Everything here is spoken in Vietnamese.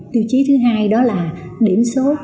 tiêu chí thứ hai đó là điểm số